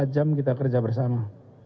dua puluh empat jam kita kerja bersama